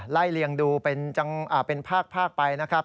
เลียงดูเป็นภาคไปนะครับ